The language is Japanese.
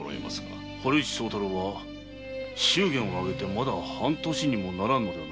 堀内宗太郎は祝言を挙げてまだ半年にもならぬそうだな。